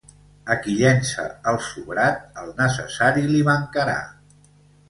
A qui llença el sobrat, el necessari li mancarà.